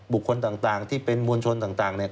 บุคคลต่างที่เป็นมวลชนต่างเนี่ย